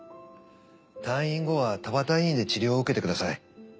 退院後は田端医院で治療を受けてください。